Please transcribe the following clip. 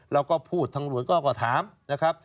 เราก็พูดทางรวจก็ถามนะครับ